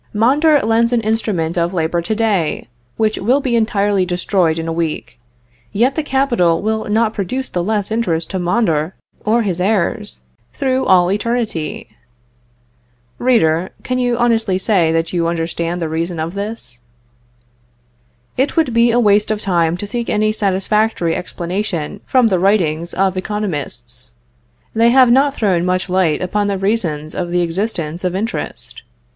Mondor lends an instrument of labor to day, which will be entirely destroyed in a week, yet the capital will not produce the less interest to Mondor or his heirs, through all eternity. Reader, can you honestly say that you understand the reason of this? It would be a waste of time to seek any satisfactory explanation from the writings of economists. They have not thrown much light upon the reasons of the existence of interest.